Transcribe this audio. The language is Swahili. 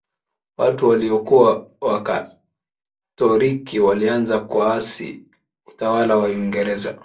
watu waliyokuwa wakatoriki walianza kuasi utawala wa uingereza